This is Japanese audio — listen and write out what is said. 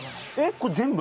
これ全部？